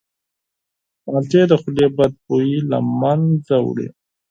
مالټې د خولې بدبویي له منځه وړي.